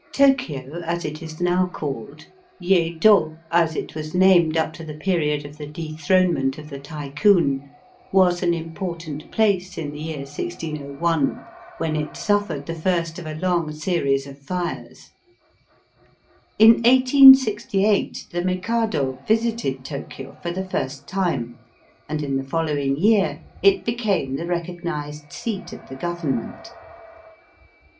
Tokio, as it is now called, Yedo as it was named up to the period of the dethronement of the Tycoon, was an impor tant place in the year 1601, when it suffered the first of a long series of fires. In 1868 the Mikado visited Tokio for the first time, and in the following year it became the recognized seat of the Government.